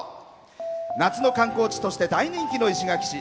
夏の観光地として大人気の石垣市。